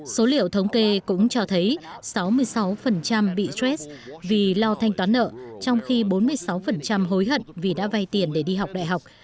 số liệu thống kê cũng cho thấy sáu mươi sáu bị stress vì lo thanh toán nợ trong khi bốn mươi sáu hối hận vì đã vay tiền để đi học đại học